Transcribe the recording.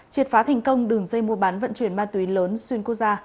triệt phá thành công đường dây mua bán vận chuyển ma túy lớn xuyên quốc gia